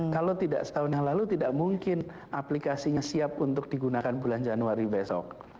kalau tidak setahun yang lalu tidak mungkin aplikasinya siap untuk digunakan bulan januari besok